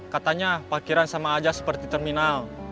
katanya parkiran sama aja seperti terminal